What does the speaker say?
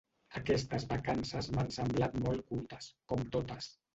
Aquestes vacances m'han semblat molt curtes, com totes.